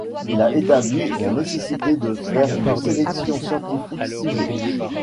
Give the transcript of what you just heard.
Il a établi la nécessité de faire une sélection scientifiquement ciblée.